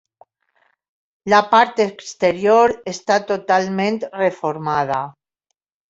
La part exterior està totalment reformada.